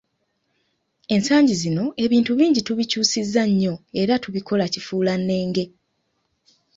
Ensangi zino ebintu bingi tubikyusizza nnyo era tubikola kifuulannenge.